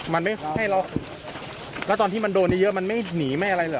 มันไม่ให้เราแล้วตอนที่มันโดนเยอะมันไม่หนีไม่อะไรเหรอ